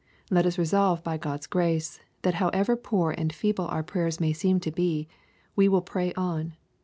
Let us resolve by God's grace, that nowever poor and feeble our prayers may seem to be, we will pray on.